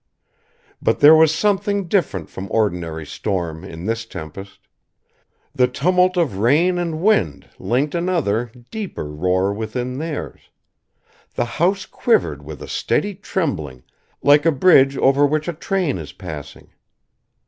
But there was something different from ordinary storm in this tempest. The tumult of rain and wind linked another, deeper roar with theirs. The house quivered with a steady trembling like a bridge over which a train is passing.